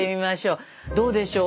どうでしょう？